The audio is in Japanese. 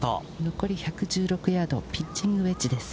残り１１６ヤードピッチングウエッジです。